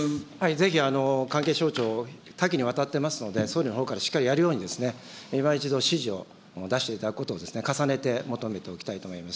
ぜひ、関係省庁、多岐にわたっていますので、総理のほうからしっかりやるように、いま一度指示を出していただくことを、重ねて求めておきたいと思います。